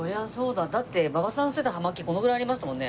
だって馬場さん吸ってた葉巻このぐらいありましたもんね。